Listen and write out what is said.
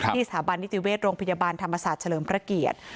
สถาบันนิติเวชโรงพยาบาลธรรมศาสตร์เฉลิมพระเกียรติ